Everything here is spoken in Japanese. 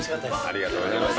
ありがとうございます。